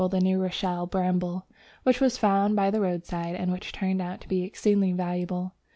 the New Rochelle Bramble, which was found by the roadside, and which turned out to be exceedingly valuable.